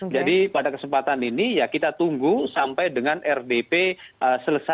pada kesempatan ini ya kita tunggu sampai dengan rdp selesai